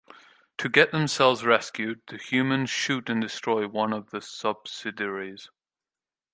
To get themselves rescued, the humans shoot and destroy one of the subsidiaries.